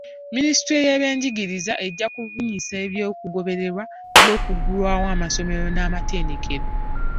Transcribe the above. Minisitule y'ebyenjigiriza ejja kubunyisa ebigobererwa by'okuggulawo amasomero n'amatendekero.